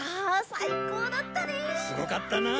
すごかったなあ！